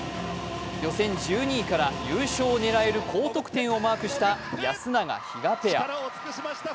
予選１２位から優勝を狙える高得点をマークした安永・比嘉ペア。